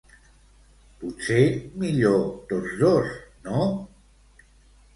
Potser millor tots dos, no?